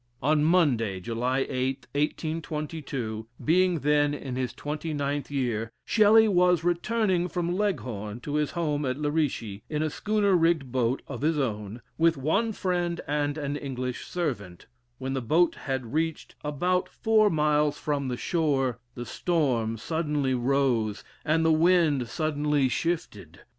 On Monday. July 8th, 1822, being then in his 29th year, Shelley was returning from Leghorn to his home at Lerici, in a schooner rigged boat of his own, with one friend and an English servant; when the boat had reached about four miles from the shore, the storm suddenly rose, and the wind suddenly shifted.